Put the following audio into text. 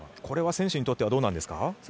これは選手にとってはどうですか。